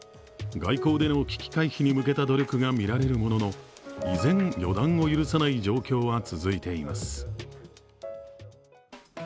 外交での危機回避に向けた努力がみられるものの依然、予断を許さない状況は続いています。